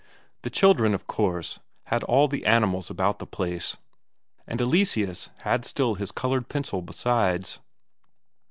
The children, of course, had all the animals about the place, and Eleseus had still his coloured pencil besides.